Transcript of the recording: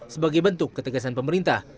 sebagai bentuk ketegasan pemerintah